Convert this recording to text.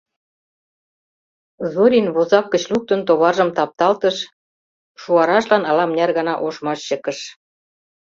Зорин, возак гыч луктын, товаржым тапталтыш, шуарашлан ала-мыняр гана ошмаш чыкыш.